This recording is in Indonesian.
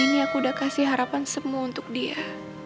ini aku udah kasih harapan semua untuk dia